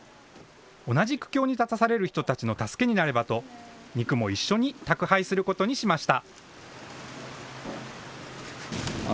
同じ苦境に立たされる人たちの助けになればと、肉も一緒に宅配することにしました。